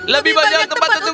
lebih banyak tempat untuk hidup